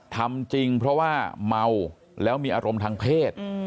ทำจริงเพราะว่าเมาแล้วมีอารมณ์ทางเพศ